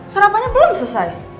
sarapannya belum selesai